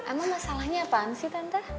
emang masalahnya apaan sih tante